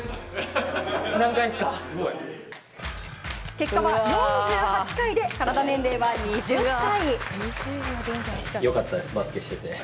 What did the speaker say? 結果は４８回でカラダ年齢は２０歳！